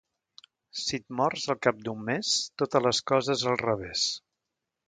Si et mors, al cap d'un mes totes les coses al revés.